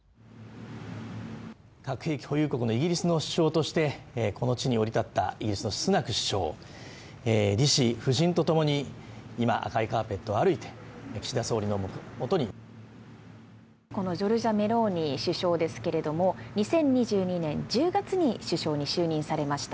核兵器保有国のイギリスの首相としてこの地に降り立ったイギリスのスナク首相夫人とともに今赤いカーペットを歩いて岸田総理の元にメローニ首相ですけれども、２０２２年１０月に首相に就任されました。